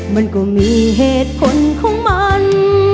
มันก็มีเหตุผลของมัน